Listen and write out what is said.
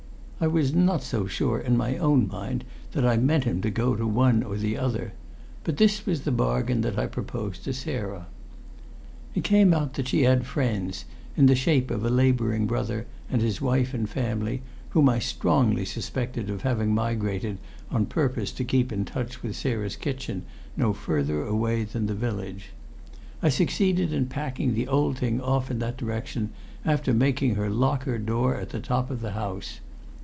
I was not so sure in my own mind that I meant him to go to one or the other. But this was the bargain that I proposed to Sarah. It came out that she had friends, in the shape of a labouring brother and his wife and family, whom I strongly suspected of having migrated on purpose to keep in touch with Sarah's kitchen, no further away than the Village. I succeeded in packing the old thing off in that direction, after making her lock her door at the top of the house.